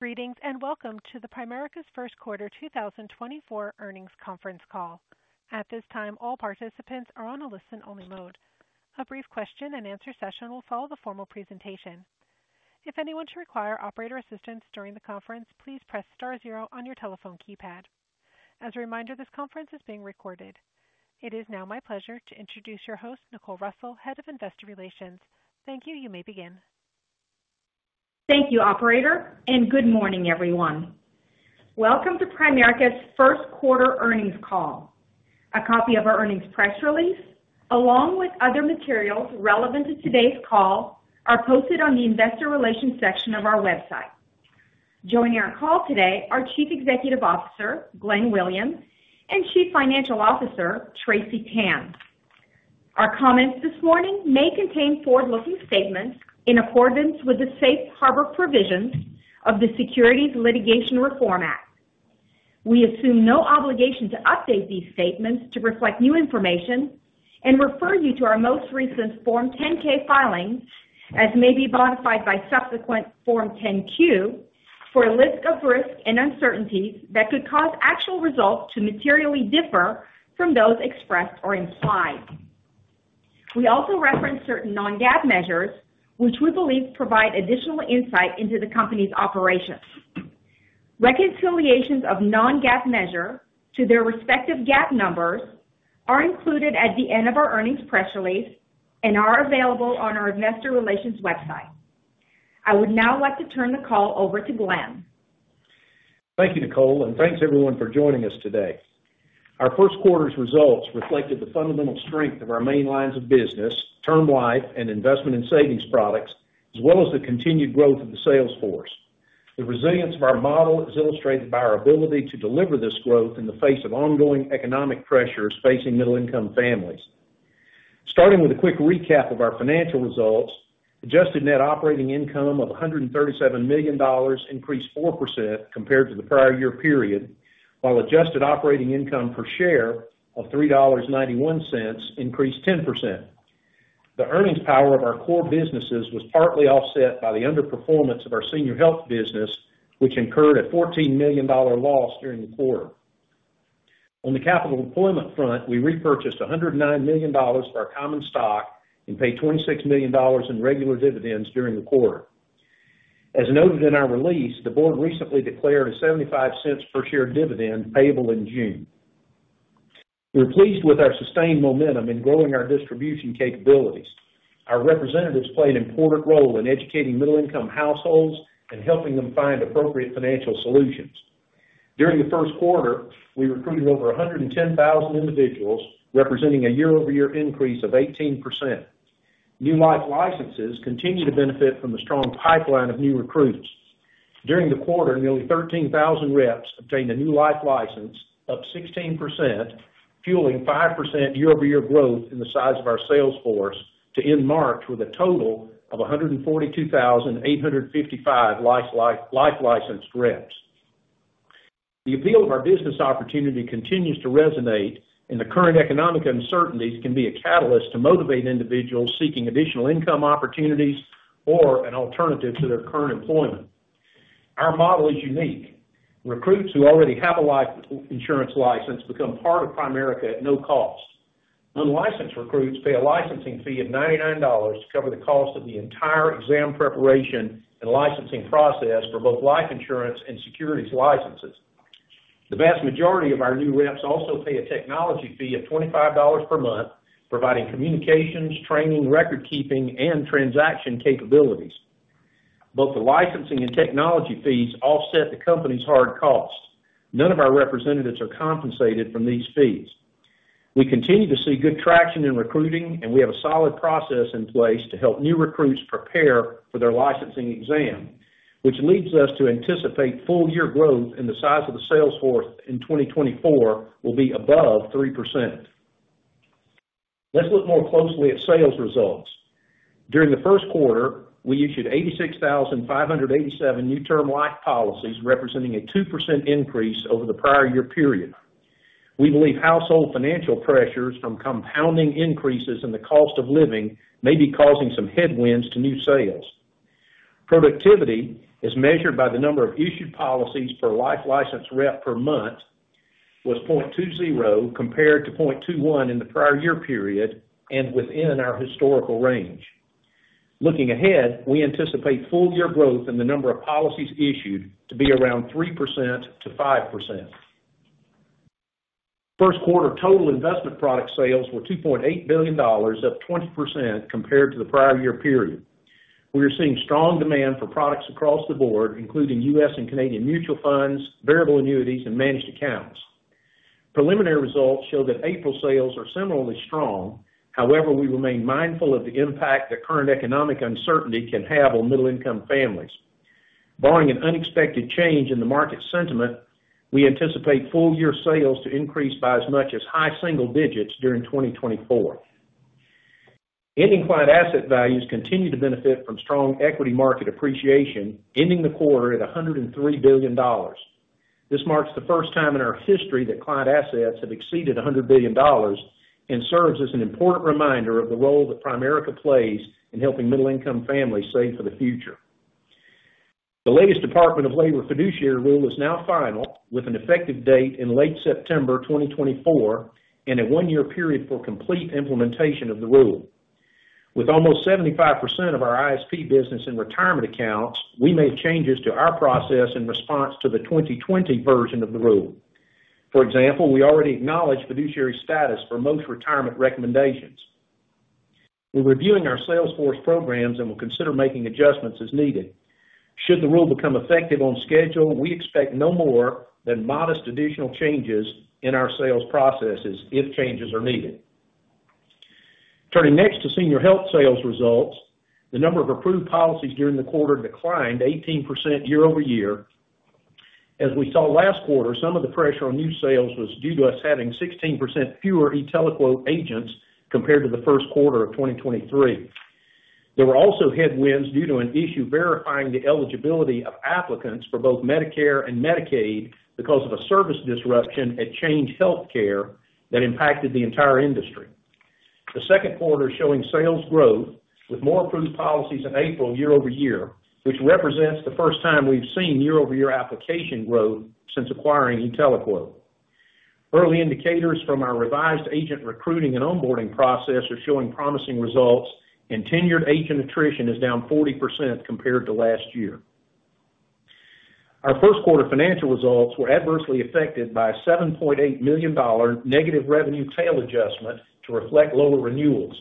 Greetings, and welcome to Primerica's First Quarter 2024 Earnings Conference Call. At this time, all participants are on a listen-only mode. A brief question-and-answer session will follow the formal presentation. If anyone should require operator assistance during the conference, please press star zero on your telephone keypad. As a reminder, this conference is being recorded. It is now my pleasure to introduce your host, Nicole Russell, Head of Investor Relations. Thank you. You may begin. Thank you, operator, and good morning, everyone. Welcome to Primerica's first-quarter earnings call. A copy of our earnings press release, along with other materials relevant to today's call, are posted on the Investor Relations section of our website. Joining our call today are Chief Executive Officer, Glenn Williams, and Chief Financial Officer, Tracy Tan. Our comments this morning may contain forward-looking statements in accordance with the safe harbor provisions of the Securities Litigation Reform Act. We assume no obligation to update these statements to reflect new information and refer you to our most recent Form 10-K filing, as may be modified by subsequent Form 10-Q, for a list of risks and uncertainties that could cause actual results to materially differ from those expressed or implied. We also reference certain non-GAAP measures, which we believe provide additional insight into the company's operations. Reconciliations of non-GAAP measure to their respective GAAP numbers are included at the end of our earnings press release and are available on our investor relations website. I would now like to turn the call over to Glenn. Thank you, Nicole, and thanks everyone for joining us today. Our first quarter's results reflected the fundamental strength of our main lines of business, term life and investment and savings products, as well as the continued growth of the sales force. The resilience of our model is illustrated by our ability to deliver this growth in the face of ongoing economic pressures facing middle-income families. Starting with a quick recap of our financial results, adjusted net operating income of $137 million increased 4% compared to the prior year period, while adjusted operating income per share of $3.91 increased 10%. The earnings power of our core businesses was partly offset by the underperformance of our Senior Health business, which incurred a $14 million loss during the quarter. On the capital deployment front, we repurchased $109 million of our common stock and paid $26 million in regular dividends during the quarter. As noted in our release, the board recently declared a $0.75 per share dividend, payable in June. We're pleased with our sustained momentum in growing our distribution capabilities. Our representatives play an important role in educating middle-income households and helping them find appropriate financial solutions. During the first quarter, we recruited over 110,000 individuals, representing a year-over-year increase of 18%. New life licenses continue to benefit from the strong pipeline of new recruits. During the quarter, nearly 13,000 reps obtained a new life license, up 16%, fueling 5% year-over-year growth in the size of our sales force to end March with a total of 142,855 life-licensed reps. The appeal of our business opportunity continues to resonate, and the current economic uncertainties can be a catalyst to motivate individuals seeking additional income opportunities or an alternative to their current employment. Our model is unique. Recruits who already have a life insurance license become part of Primerica at no cost. Unlicensed recruits pay a licensing fee of $99 to cover the cost of the entire exam preparation and licensing process for both life insurance and securities licenses. The vast majority of our new reps also pay a technology fee of $25 per month, providing communications, training, record keeping, and transaction capabilities. Both the licensing and technology fees offset the company's hard costs. None of our representatives are compensated from these fees. We continue to see good traction in recruiting, and we have a solid process in place to help new recruits prepare for their licensing exam, which leads us to anticipate full year growth in the size of the sales force in 2024 will be above 3%. Let's look more closely at sales results. During the first quarter, we issued 86,587 new term life policies, representing a 2% increase over the prior year period. We believe household financial pressures from compounding increases in the cost of living may be causing some headwinds to new sales. Productivity, as measured by the number of issued policies per life license rep per month, was 0.20, compared to 0.21 in the prior year period, and within our historical range. Looking ahead, we anticipate full-year growth in the number of policies issued to be around 3%-5%. First quarter total investment product sales were $2.8 billion, up 20% compared to the prior year period. We are seeing strong demand for products across the board, including U.S. and Canadian mutual funds, variable annuities, and managed accounts. Preliminary results show that April sales are similarly strong. However, we remain mindful of the impact that current economic uncertainty can have on middle-income families. Barring an unexpected change in the market sentiment, we anticipate full year sales to increase by as much as high single digits during 2024. Ending client asset values continue to benefit from strong equity market appreciation, ending the quarter at $103 billion. This marks the first time in our history that client assets have exceeded $100 billion and serves as an important reminder of the role that Primerica plays in helping middle-income families save for the future. The latest Department of Labor fiduciary rule is now final, with an effective date in late September 2024, and a one-year period for complete implementation of the rule. With almost 75% of our ISP business in retirement accounts, we made changes to our process in response to the 2020 version of the rule. For example, we already acknowledged fiduciary status for most retirement recommendations. We're reviewing our sales force programs and will consider making adjustments as needed. Should the rule become effective on schedule, we expect no more than modest additional changes in our sales processes if changes are needed. Turning next to Senior Health sales results, the number of approved policies during the quarter declined 18% year-over-year. As we saw last quarter, some of the pressure on new sales was due to us having 16% fewer e-TeleQuote agents compared to the first quarter of 2023. There were also headwinds due to an issue verifying the eligibility of applicants for both Medicare and Medicaid because of a service disruption at Change Healthcare that impacted the entire industry. The second quarter is showing sales growth with more approved policies in April year-over-year, which represents the first time we've seen year-over-year application growth since acquiring e-TeleQuote. Early indicators from our revised agent recruiting and onboarding process are showing promising results, and tenured agent attrition is down 40% compared to last year. Our first-quarter financial results were adversely affected by a $7.8 million negative revenue tail adjustment to reflect lower renewals.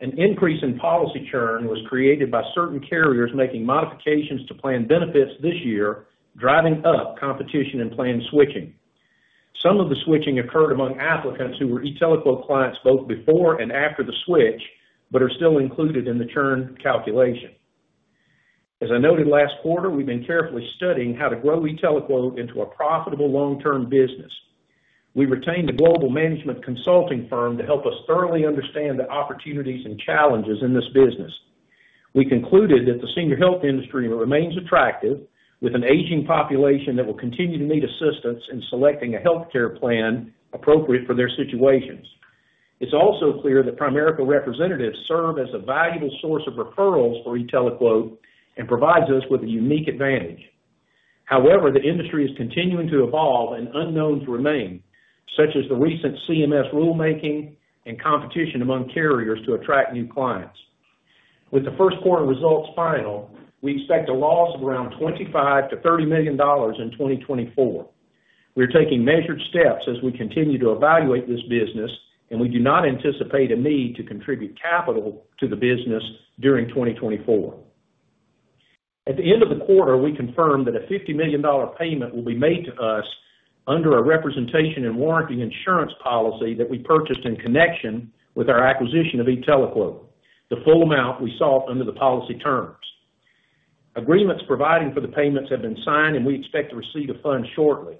An increase in policy churn was created by certain carriers making modifications to plan benefits this year, driving up competition and plan switching. Some of the switching occurred among applicants who were e-TeleQuote clients both before and after the switch, but are still included in the churn calculation. As I noted last quarter, we've been carefully studying how to grow e-TeleQuote into a profitable long-term business. We retained a global management consulting firm to help us thoroughly understand the opportunities and challenges in this business. We concluded that the Senior Health industry remains attractive, with an aging population that will continue to need assistance in selecting a healthcare plan appropriate for their situations. It's also clear that Primerica representatives serve as a valuable source of referrals for e-TeleQuote and provides us with a unique advantage. However, the industry is continuing to evolve and unknowns remain, such as the recent CMS rulemaking and competition among carriers to attract new clients. With the first quarter results final, we expect a loss of around $25 million-$30 million in 2024. We are taking measured steps as we continue to evaluate this business, and we do not anticipate a need to contribute capital to the business during 2024. At the end of the quarter, we confirmed that a $50 million payment will be made to us under a representation and warranty insurance policy that we purchased in connection with our acquisition of e-TeleQuote, the full amount we sought under the policy terms. Agreements providing for the payments have been signed, and we expect to receive the funds shortly.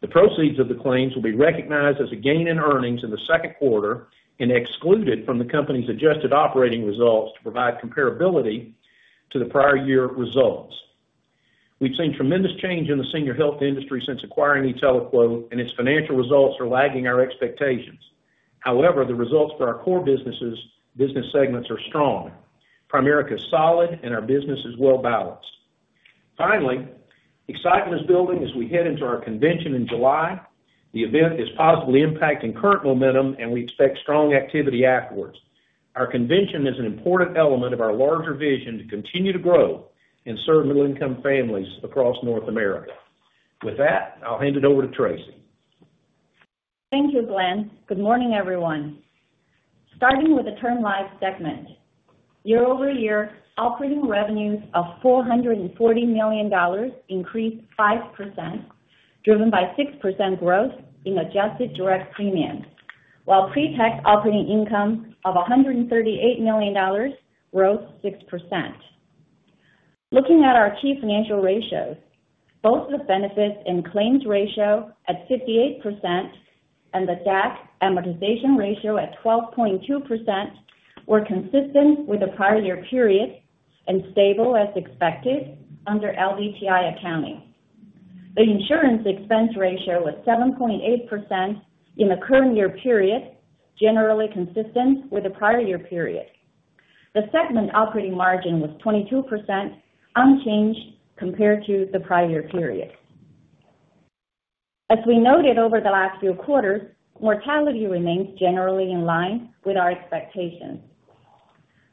The proceeds of the claims will be recognized as a gain in earnings in the second quarter and excluded from the company's adjusted operating results to provide comparability to the prior year results. We've seen tremendous change in the Senior Health industry since acquiring e-TeleQuote, and its financial results are lagging our expectations. However, the results for our core businesses, business segments are strong. Primerica is solid, and our business is well balanced. Finally, excitement is building as we head into our convention in July. The event is positively impacting current momentum, and we expect strong activity afterwards. Our convention is an important element of our larger vision to continue to grow and serve middle-income families across North America. With that, I'll hand it over to Tracy. Thank you, Glenn. Good morning, everyone. Starting with the Term Life segment, year-over-year, operating revenues of $440 million increased 5%, driven by 6% growth in adjusted direct premiums, while pre-tax operating income of $138 million grew 6%. Looking at our key financial ratios, both the benefits and claims ratio at 58% and the DAC amortization ratio at 12.2% were consistent with the prior year period and stable as expected under LDTI accounting. The insurance expense ratio was 7.8% in the current year period, generally consistent with the prior year period. The segment operating margin was 22%, unchanged compared to the prior year period. As we noted over the last few quarters, mortality remains generally in line with our expectations.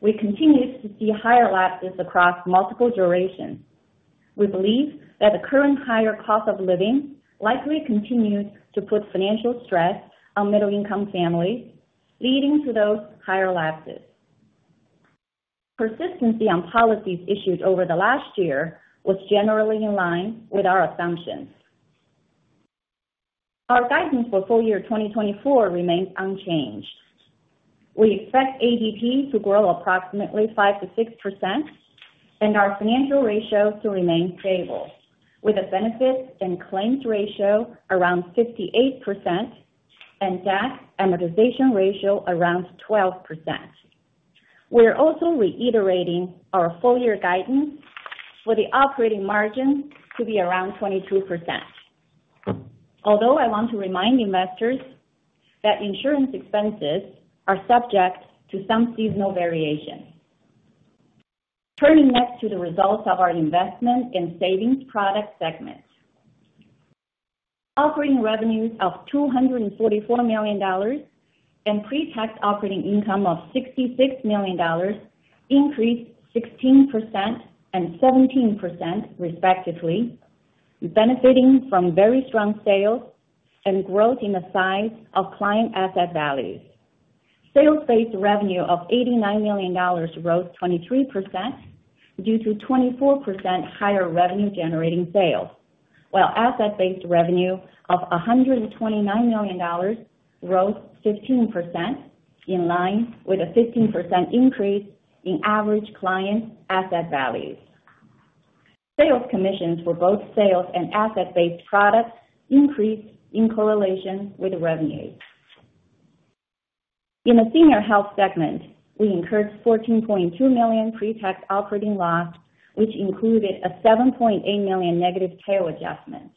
We continue to see higher lapses across multiple durations. We believe that the current higher cost of living likely continues to put financial stress on middle-income families, leading to those higher lapses. Persistence on policies issued over the last year was generally in line with our assumptions. Our guidance for full year 2024 remains unchanged. We expect ADP to grow approximately 5%-6% and our financial ratios to remain stable, with the benefits and claims ratio around 58% and DAC amortization ratio around 12%. We are also reiterating our full-year guidance for the operating margin to be around 22%. Although I want to remind investors that insurance expenses are subject to some seasonal variation. Turning next to the results of our Investment and Savings Products segment. Operating revenues of $244 million and pre-tax operating income of $66 million increased 16% and 17% respectively, benefiting from very strong sales and growth in the size of client asset values. Sales-based revenue of $89 million rose 23% due to 24% higher revenue-generating sales, while asset-based revenue of $129 million rose 15%, in line with a 15% increase in average client asset values. Sales commissions for both sales and asset-based products increased in correlation with revenue. In the Senior Health segment, we incurred $14.2 million pre-tax operating loss, which included a $7.8 million negative tail adjustment.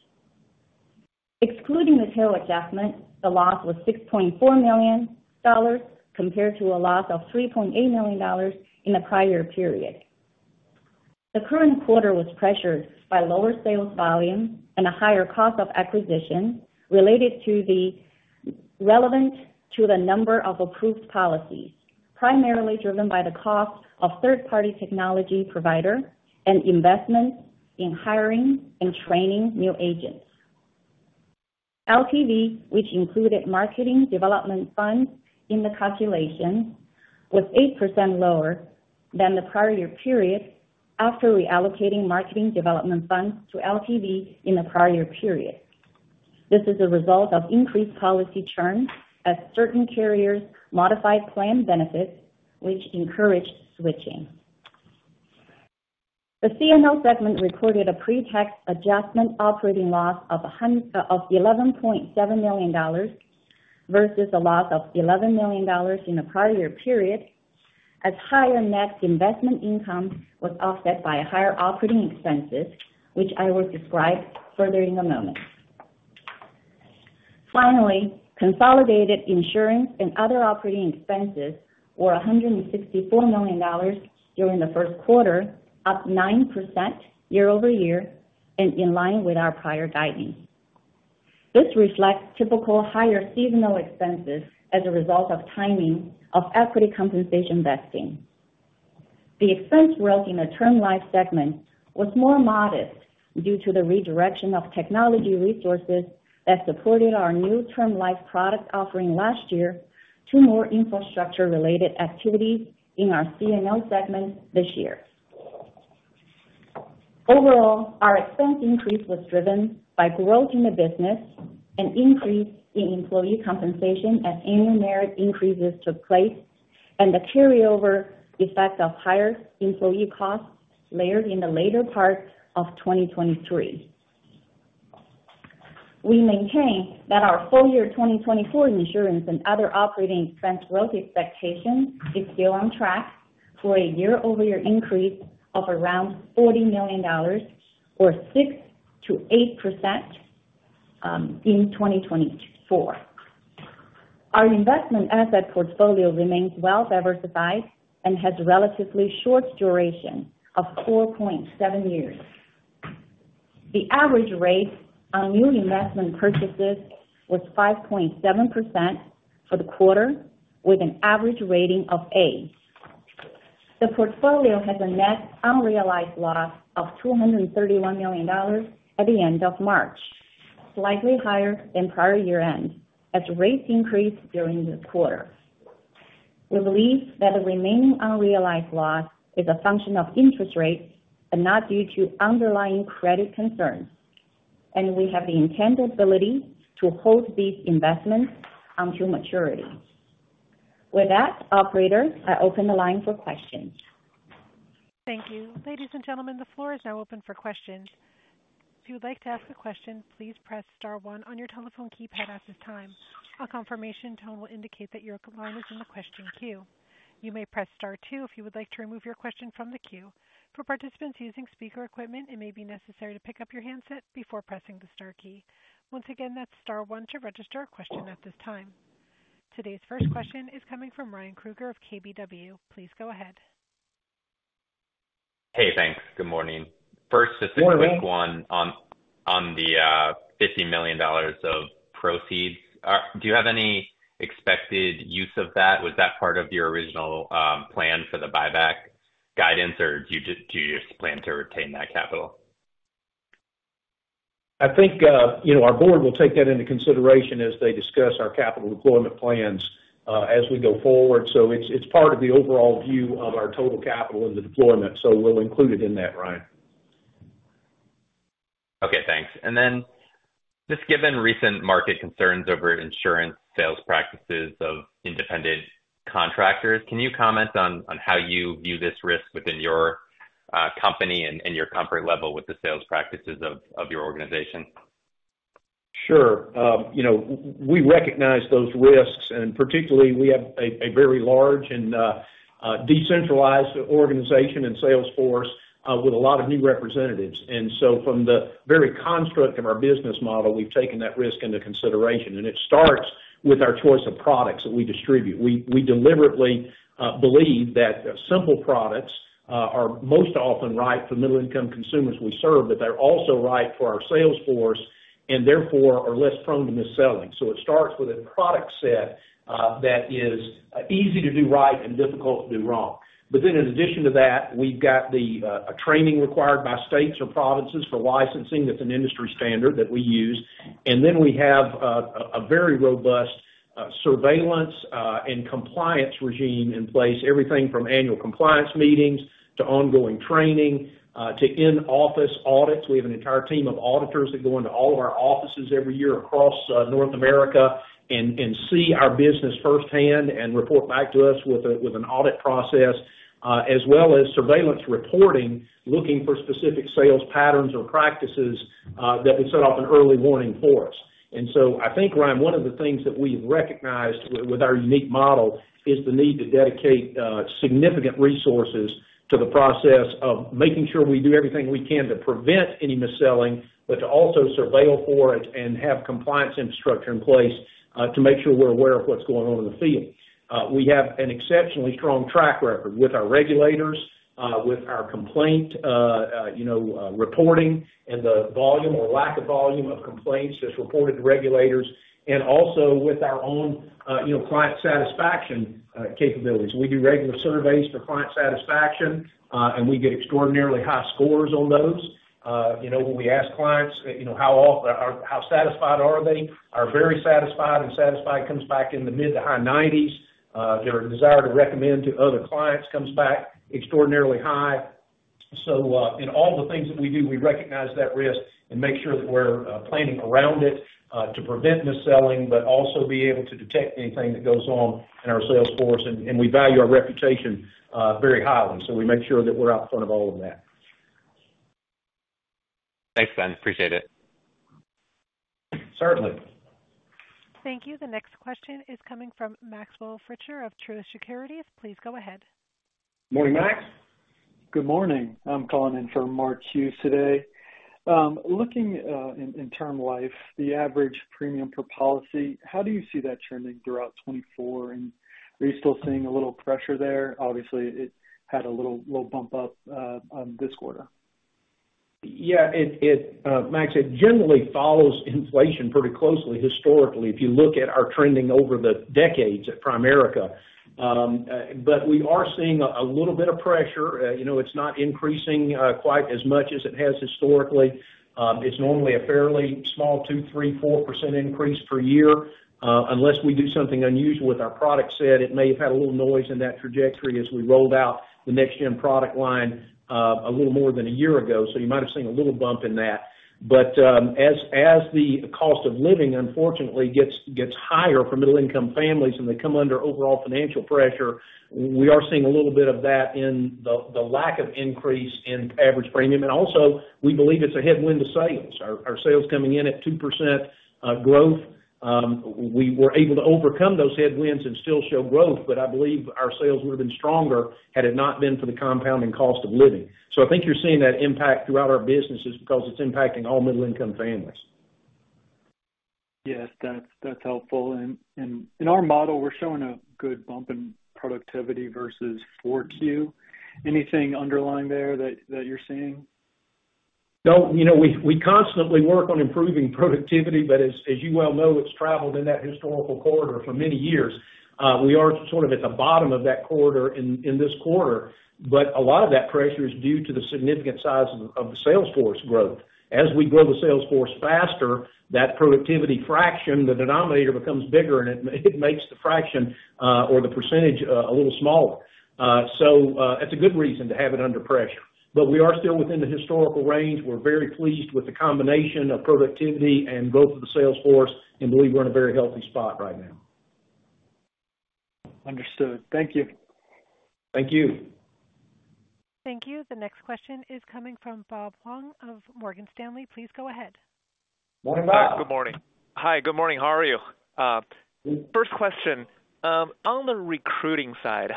Excluding the tail adjustment, the loss was $6.4 million compared to a loss of $3.8 million in the prior period. The current quarter was pressured by lower sales volume and a higher cost of acquisition related to the number of approved policies, primarily driven by the cost of third-party technology provider and investment in hiring and training new agents. LTV, which included marketing development funds in the calculation, was 8% lower than the prior year period after reallocating marketing development funds to LTV in the prior year period. This is a result of increased policy churn as certain carriers modified plan benefits, which encouraged switching. The C&O segment recorded a pre-tax adjusted operating loss of $11.7 million versus a loss of $11 million in the prior year period, as higher net investment income was offset by higher operating expenses, which I will describe further in a moment. Finally, consolidated insurance and other operating expenses were $164 million during the first quarter, up 9% year-over-year and in line with our prior guidance. This reflects typical higher seasonal expenses as a result of timing of equity compensation vesting. The expense growth in the Term Life segment was more modest due to the redirection of technology resources that supported our new term life product offering last year to more infrastructure-related activities in our C&O segment this year. Overall, our expense increase was driven by growth in the business, an increase in employee compensation as annual merit increases took place, and the carryover effect of higher employee costs layered in the later part of 2023. We maintain that our full-year 2024 insurance and other operating expense growth expectations is still on track for a year-over-year increase of around $40 million or 6%-8%, in 2024. Our investment asset portfolio remains well diversified and has a relatively short duration of 4.7 years. The average rate on new investment purchases was 5.7% for the quarter, with an average rating of A. The portfolio had a net unrealized loss of $231 million at the end of March, slightly higher than prior year-end, as rates increased during the quarter. We believe that the remaining unrealized loss is a function of interest rates and not due to underlying credit concerns, and we have the intent and ability to hold these investments until maturity. With that, operator, I open the line for questions. Thank you. Ladies and gentlemen, the floor is now open for questions. If you would like to ask a question, please press star one on your telephone keypad at this time. A confirmation tone will indicate that your line is in the question queue. You may press star two if you would like to remove your question from the queue. For participants using speaker equipment, it may be necessary to pick up your handset before pressing the star key. Once again, that's star one to register a question at this time. Today's first question is coming from Ryan Krueger of KBW. Please go ahead. Hey, thanks. Good morning. Good morning. First, just a quick one on the $50 million of proceeds. Do you have any expected use of that? Was that part of your original plan for the buyback guidance, or do you just plan to retain that capital? I think, you know, our board will take that into consideration as they discuss our capital deployment plans, as we go forward. So it's, it's part of the overall view of our total capital in the deployment, so we'll include it in that, Ryan. Okay, thanks. And then, just given recent market concerns over insurance sales practices of independent contractors, can you comment on how you view this risk within your company and your comfort level with the sales practices of your organization? Sure. You know, we recognize those risks, and particularly we have a very large and decentralized organization and sales force with a lot of new representatives. And so from the very construct of our business model, we've taken that risk into consideration, and it starts with our choice of products that we distribute. We deliberately believe that simple products are most often right for middle income consumers we serve, but they're also right for our sales force, and therefore are less prone to misselling. So it starts with a product set that is easy to do right and difficult to do wrong. But then in addition to that, we've got the training required by states or provinces for licensing. That's an industry standard that we use. And then we have a very robust surveillance and compliance regime in place. Everything from annual compliance meetings to ongoing training to in-office audits. We have an entire team of auditors that go into all of our offices every year across North America and see our business firsthand and report back to us with an audit process, as well as surveillance reporting, looking for specific sales patterns or practices that would set off an early warning for us. I think, Ryan, one of the things that we've recognized with our unique model is the need to dedicate significant resources to the process of making sure we do everything we can to prevent any mis-selling, but to also surveil for it and have compliance infrastructure in place to make sure we're aware of what's going on in the field. We have an exceptionally strong track record with our regulators with our complaint, you know, reporting and the volume or lack of volume of complaints as reported to regulators, and also with our own, you know, client satisfaction capabilities. We do regular surveys for client satisfaction, and we get extraordinarily high scores on those. You know, when we ask clients, you know, how often or how satisfied are they? Are very satisfied, and satisfied comes back in the mid to high 90s. Their desire to recommend to other clients comes back extraordinarily high. So, in all the things that we do, we recognize that risk and make sure that we're planning around it to prevent misselling, but also be able to detect anything that goes on in our sales force. And we value our reputation very highly, so we make sure that we're out in front of all of that. Thanks, Glenn. Appreciate it. Certainly. Thank you. The next question is coming from Maxwell Fritscher of Truist Securities. Please go ahead. Morning, Max. Good morning. I'm calling in for Mark Hughes today. Looking in term life, the average premium per policy, how do you see that trending throughout 2024? And are you still seeing a little pressure there? Obviously, it had a little bump up on this quarter. Yeah, Max, it generally follows inflation pretty closely historically, if you look at our trending over the decades at Primerica. But we are seeing a little bit of pressure. You know, it's not increasing quite as much as it has historically. It's normally a fairly small 2%-4% increase per year. Unless we do something unusual with our product set, it may have had a little noise in that trajectory as we rolled out the NextGen product line a little more than a year ago, so you might have seen a little bump in that. But as the cost of living unfortunately gets higher for middle-income families and they come under overall financial pressure, we are seeing a little bit of that in the lack of increase in average premium. And also, we believe it's a headwind to sales. Our sales coming in at 2% growth, we were able to overcome those headwinds and still show growth, but I believe our sales would have been stronger had it not been for the compounding cost of living. So I think you're seeing that impact throughout our businesses because it's impacting all middle-income families. Yes, that's helpful. And in our model, we're showing a good bump in productivity versus 4Q. Anything underlying there that you're seeing? No, you know, we constantly work on improving productivity, but as you well know, it's traveled in that historical corridor for many years. We are sort of at the bottom of that corridor in this quarter, but a lot of that pressure is due to the significant size of the sales force growth. As we grow the sales force faster, that productivity fraction, the denominator, becomes bigger, and it makes the fraction, or the percentage, a little smaller. So, that's a good reason to have it under pressure, but we are still within the historical range. We're very pleased with the combination of productivity and growth of the sales force and believe we're in a very healthy spot right now. Understood. Thank you. Thank you. Thank you. The next question is coming from Bob Huang of Morgan Stanley. Please go ahead. Morning, Bob. Good morning. Hi, good morning. How are you? First question, on the recruiting side,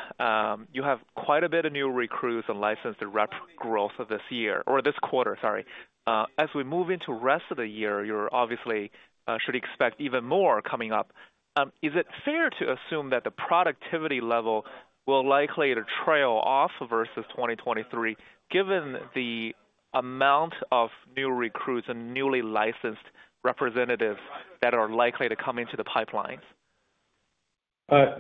you have quite a bit of new recruits and licensed rep growth of this year or this quarter sorry. As we move into rest of the year, you're obviously, should expect even more coming up. Is it fair to assume that the productivity level will likely to trail off versus 2023, given the amount of new recruits and newly licensed representatives that are likely to come into the pipeline?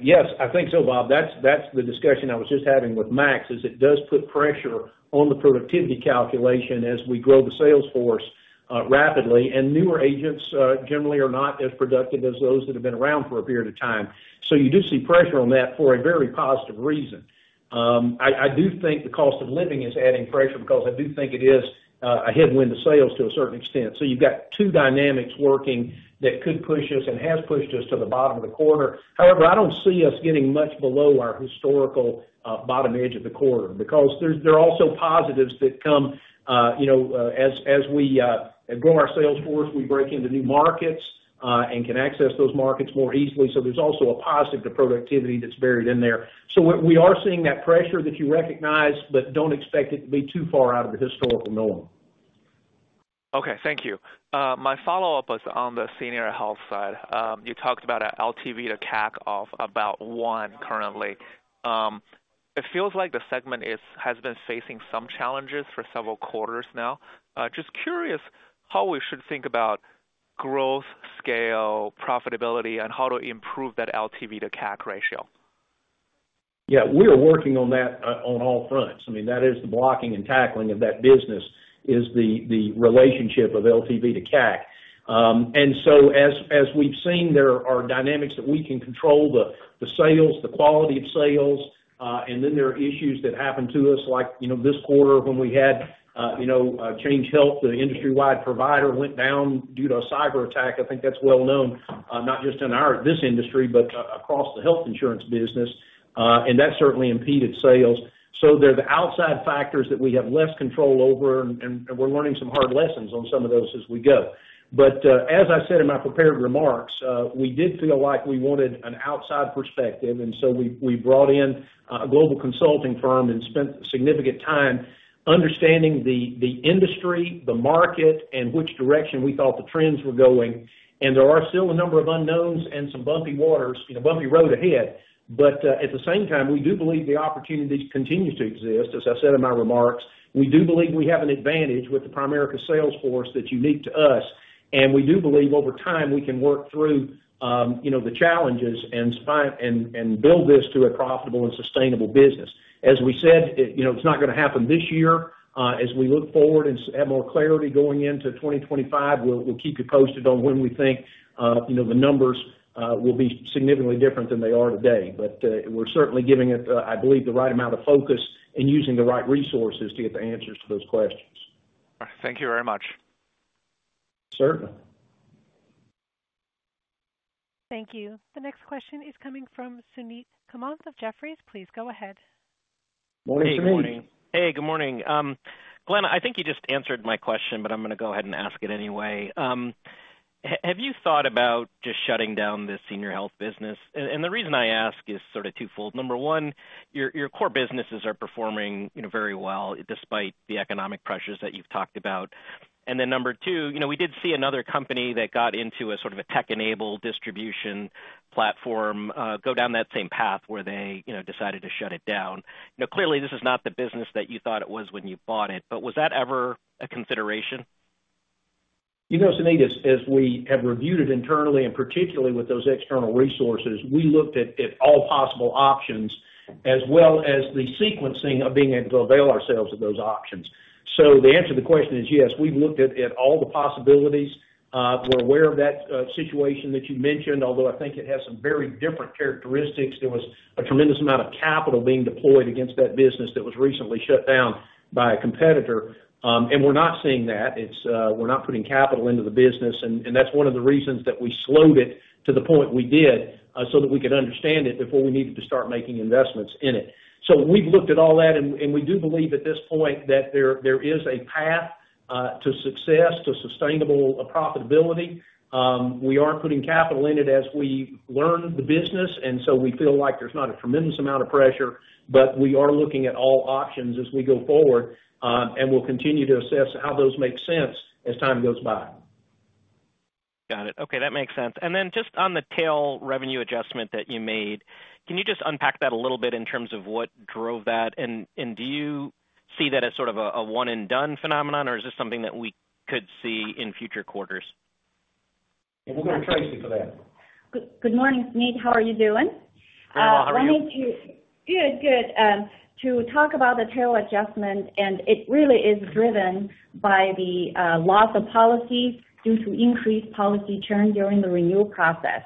Yes, I think so, Bob. That's, that's the discussion I was just having with Max, is it does put pressure on the productivity calculation as we grow the sales force rapidly. Newer agents generally are not as productive as those that have been around for a period of time. So you do see pressure on that for a very positive reason. I do think the cost of living is adding pressure because I do think it is a headwind to sales to a certain extent. So you've got two dynamics working that could push us and has pushed us to the bottom of the quarter. However, I don't see us getting much below our historical bottom edge of the quarter because there are also positives that come, you know, as we grow our sales force, we break into new markets, and can access those markets more easily. So there's also a positive to productivity that's buried in there. So we are seeing that pressure that you recognize, but don't expect it to be too far out of the historical norm. Okay, thank you. My follow-up was on the Senior Health side. You talked about a LTV to CAC of about one currently. It feels like the segment has been facing some challenges for several quarters now. Just curious how we should think about growth, scale, profitability, and how to improve that LTV to CAC ratio? Yeah, we are working on that, on all fronts. I mean, that is the blocking and tackling of that business, is the relationship of LTV to CAC. And so as we've seen, there are dynamics that we can control, the sales, the quality of sales, and then there are issues that happen to us, like, you know, this quarter when we had, you know, Change Healthcare, the industry-wide provider went down due to a cyber attack. I think that's well known, not just in our, this industry, but across the health insurance business, and that certainly impeded sales. So there are the outside factors that we have less control over, and we're learning some hard lessons on some of those as we go. But, as I said in my prepared remarks, we did feel like we wanted an outside perspective, and so we brought in a global consulting firm and spent significant time understanding the industry, the market, and which direction we thought the trends were going. And there are still a number of unknowns and some bumpy waters, you know, bumpy road ahead, but at the same time, we do believe the opportunity continues to exist, as I said in my remarks. We do believe we have an advantage with the Primerica sales force that's unique to us, and we do believe over time we can work through, you know, the challenges and build this to a profitable and sustainable business. As we said, it, you know, it's not gonna happen this year. As we look forward and have more clarity going into 2025, we'll, we'll keep you posted on when we think, you know, the numbers will be significantly different than they are today. But, we're certainly giving it, I believe, the right amount of focus and using the right resources to get the answers to those questions. Thank you very much. Sure. Thank you. The next question is coming from Suneet Kamath of Jefferies. Please go ahead. Morning, Suneet. Hey, good morning. Glenn, I think you just answered my question, but I'm gonna go ahead and ask it anyway. Have you thought about just shutting down the Senior Health business? And the reason I ask is sort of twofold. Number one, your core businesses are performing, you know, very well, despite the economic pressures that you've talked about. And then number two, you know, we did see another company that got into a sort of a tech-enabled distribution platform go down that same path, where they, you know, decided to shut it down. Now, clearly, this is not the business that you thought it was when you bought it, but was that ever a consideration? You know, Suneet, as we have reviewed it internally, and particularly with those external resources, we looked at all possible options, as well as the sequencing of being able to avail ourselves of those options. So the answer to the question is, yes, we've looked at all the possibilities. We're aware of that situation that you mentioned, although I think it has some very different characteristics. There was a tremendous amount of capital being deployed against that business that was recently shut down by a competitor, and we're not seeing that. We're not putting capital into the business, and that's one of the reasons that we slowed it to the point we did, so that we could understand it before we needed to start making investments in it. So we've looked at all that, and we do believe at this point that there is a path to success, to sustainable profitability. We are putting capital in it as we learn the business, and so we feel like there's not a tremendous amount of pressure, but we are looking at all options as we go forward, and we'll continue to assess how those make sense as time goes by. Got it. Okay, that makes sense. And then just on the tail revenue adjustment that you made, can you just unpack that a little bit in terms of what drove that? And, and do you see that as sort of a, a one-and-done phenomenon, or is this something that we could see in future quarters? We'll go to Tracy for that. Good, good morning, Suneet. How are you doing? How are you? Good. Good. To talk about the tail adjustment, and it really is driven by the loss of policy due to increased policy churn during the renewal process,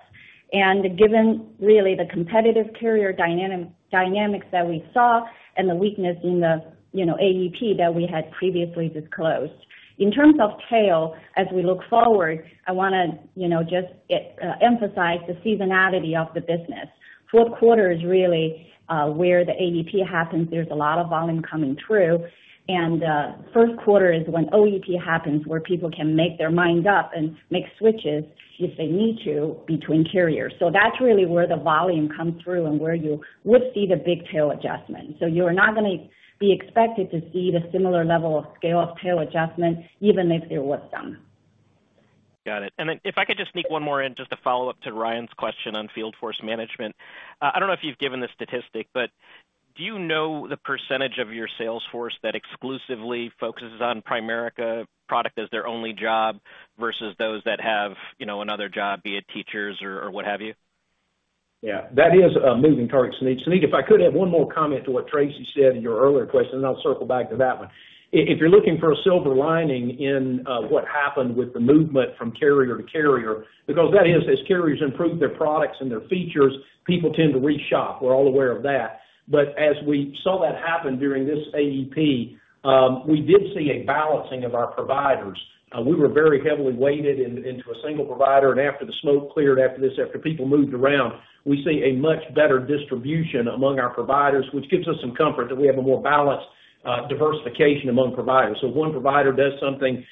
and given really the competitive carrier dynamics that we saw and the weakness in the, you know, AEP that we had previously disclosed. In terms of tail, as we look forward, I wanna, you know, just emphasize the seasonality of the business. Fourth quarter is really where the AEP happens. There's a lot of volume coming through, and first quarter is when OEP happens, where people can make their minds up and make switches, if they need to, between carriers. So that's really where the volume comes through and where you would see the big tail adjustment. You are not gonna be expected to see the similar level of scale of tail adjustment, even if there was some. Got it. And then if I could just sneak one more in, just a follow-up to Ryan's question on field force management. I don't know if you've given this statistic, but do you know the percentage of your sales force that exclusively focuses on Primerica product as their only job, versus those that have, you know, another job, be it teachers or, or what have you? Yeah, that is a moving target, Suneet. Suneet, if I could add one more comment to what Tracy said in your earlier question, and I'll circle back to that one. If you're looking for a silver lining in what happened with the movement from carrier to carrier, because that is, as carriers improve their products and their features, people tend to re-shop. We're all aware of that. But as we saw that happen during this AEP, we did see a balancing of our providers. We were very heavily weighted into a single provider, and after the smoke cleared, after this, after people moved around, we see a much better distribution among our providers, which gives us some comfort that we have a more balanced diversification among providers. So one provider does something,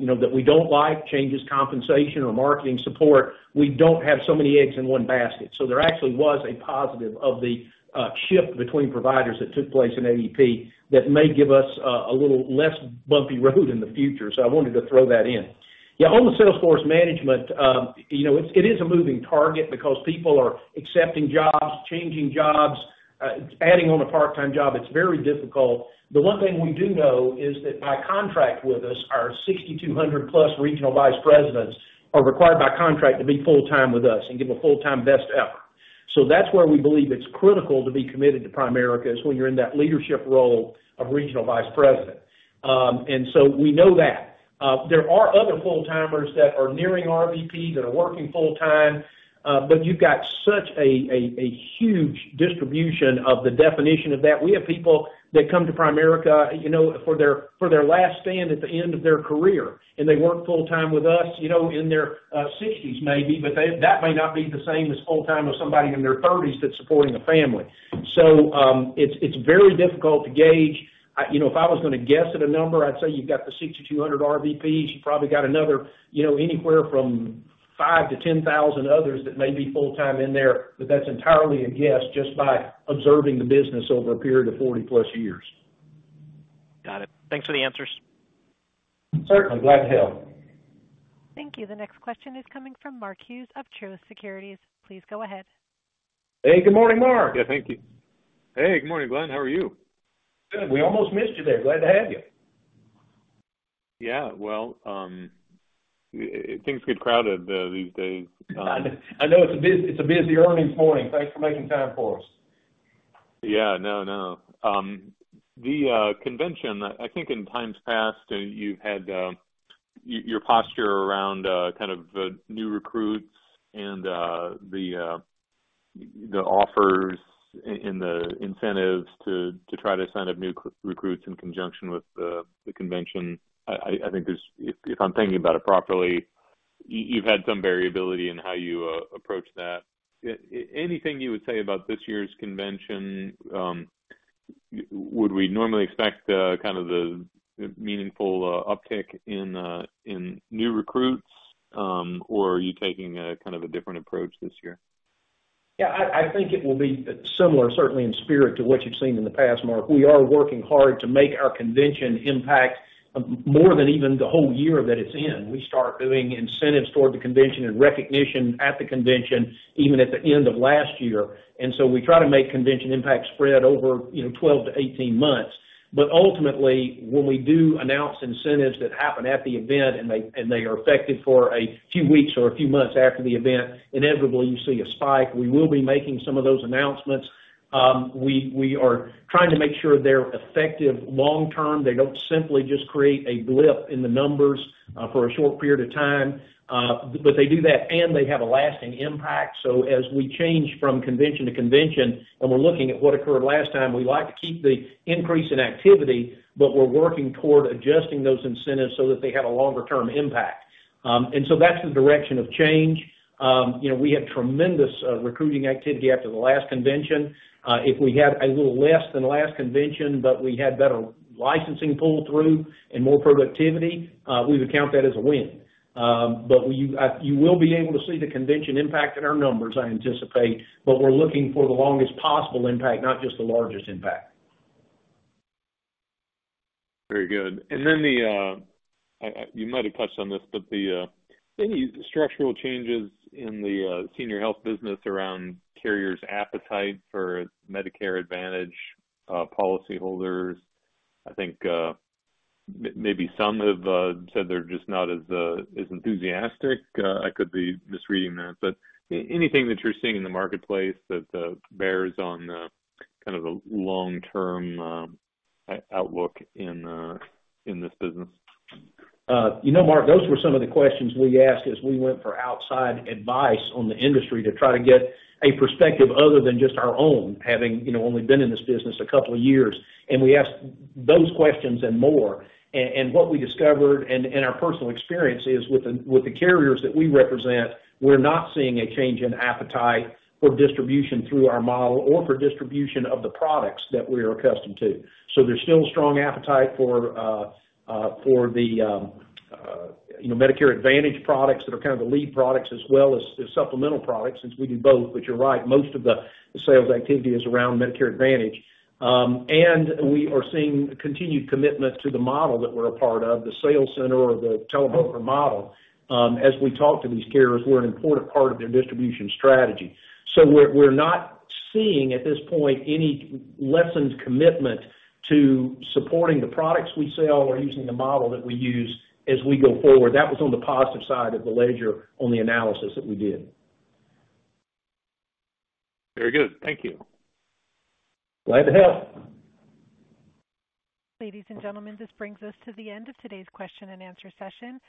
you know, that we don't like, changes compensation or marketing support, we don't have so many eggs in one basket. So there actually was a positive of the shift between providers that took place in AEP that may give us a little less bumpy road in the future. So I wanted to throw that in. Yeah, on the sales force management, you know, it's, it is a moving target because people are accepting jobs, changing jobs, adding on a part-time job, it's very difficult. The one thing we do know is that by contract with us, our 6,200+ regional vice presidents are required by contract to be full-time with us and give a full-time best effort. So that's where we believe it's critical to be committed to Primerica, is when you're in that leadership role of regional vice president. And so we know that. There are other full-timers that are nearing RVP, that are working full-time, but you've got such a huge distribution of the definition of that. We have people that come to Primerica, you know, for their last stand at the end of their career, and they work full-time with us, you know, in their sixties maybe, but that may not be the same as full-time as somebody in their thirties that's supporting a family. So it's very difficult to gauge. You know, if I was gonna guess at a number, I'd say you've got the 6,200 RVPs. You probably got another, you know, anywhere from 5,000-10,000 others that may be full-time in there, but that's entirely a guess, just by observing the business over a period of 40+ years. Got it. Thanks for the answers. Certainly. Glad to help. Thank you. The next question is coming from Mark Hughes of Truist Securities. Please go ahead. Hey, good morning, Mark. Yeah, thank you. Hey, good morning, Glenn. How are you? Good. We almost missed you there. Glad to have you. Yeah, well, things get crowded these days. I know it's a busy earnings morning. Thanks for making time for us. Yeah, no, no. The convention, I think in times past, you've had your posture around kind of new recruits and the offers and the incentives to try to sign up new recruits in conjunction with the convention. I think there's... If I'm thinking about it properly, you've had some variability in how you approach that. Anything you would say about this year's convention, would we normally expect kind of the meaningful uptick in new recruits, or are you taking a kind of a different approach this year? Yeah, I think it will be similar, certainly in spirit, to what you've seen in the past, Mark. We are working hard to make our convention impact more than even the whole year that it's in. We start doing incentives toward the convention and recognition at the convention, even at the end of last year. And so we try to make convention impact spread over, you know, 12-18 months. But ultimately, when we do announce incentives that happen at the event, and they are effective for a few weeks or a few months after the event, inevitably, you see a spike. We will be making some of those announcements. We are trying to make sure they're effective long-term. They don't simply just create a blip in the numbers, for a short period of time, but they do that, and they have a lasting impact. So as we change from convention to convention, and we're looking at what occurred last time, we like to keep the increase in activity, but we're working toward adjusting those incentives so that they have a longer term impact. And so that's the direction of change. You know, we had tremendous recruiting activity after the last convention. If we had a little less than last convention, but we had better licensing pull through and more productivity, we would count that as a win. But we, you will be able to see the convention impact in our numbers, I anticipate, but we're looking for the longest possible impact, not just the largest impact. Very good. And then the, you might have touched on this, but the, any structural changes in the, Senior Health business around carriers' appetite for Medicare Advantage, policyholders? I think, maybe some have, said they're just not as, as enthusiastic. I could be misreading that, but anything that you're seeing in the marketplace that, bears on, kind of the long-term, outlook in, in this business? You know, Mark, those were some of the questions we asked as we went for outside advice on the industry, to try to get a perspective other than just our own, having, you know, only been in this business a couple of years, and we asked those questions and more. And what we discovered and our personal experience is, with the carriers that we represent, we're not seeing a change in appetite for distribution through our model or for distribution of the products that we are accustomed to. So there's still strong appetite for the you know, Medicare Advantage products that are kind of the lead products as well as the supplemental products, since we do both. But you're right, most of the sales activity is around Medicare Advantage. And we are seeing continued commitment to the model that we're a part of, the sales center or the telebroker model. As we talk to these carriers, we're an important part of their distribution strategy. So we're not seeing, at this point, any lessened commitment to supporting the products we sell or using the model that we use as we go forward. That was on the positive side of the ledger, on the analysis that we did. Very good. Thank you. Glad to help. Ladies and gentlemen, this brings us to the end of today's question and answer session.